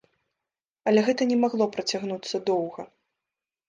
Але гэта не магло працягнуцца доўга.